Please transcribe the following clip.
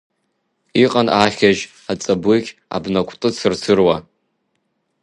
Иҟан ахьажь, аҵаблыкь, абнакәты цырцыруа.